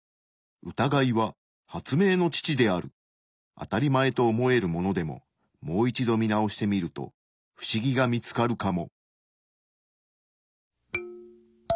あたりまえと思えるものでももう一度見直してみると不思議が見つかるかも。